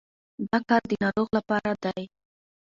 دا کار د ناروغ لپاره دی.